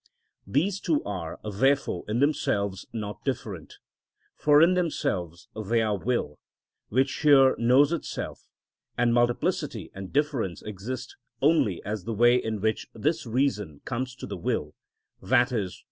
These two are, therefore, in themselves not different, for in themselves they are will, which here knows itself; and multiplicity and difference exist only as the way in which this knowledge comes to the will, _i.e.